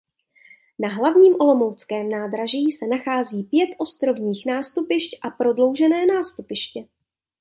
Na hlavním olomouckém nádraží se nachází pět ostrovních nástupišť a prodloužené nástupiště.